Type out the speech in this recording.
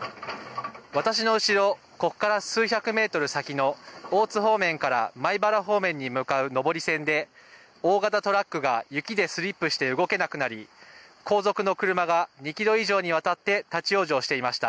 私の後ろ、ここから数百メートル先の大津方面から米原方面に向かう上り線で大型トラックが雪でスリップして動けなくなり後続の車が、２キロ以上にわたって立往生していました。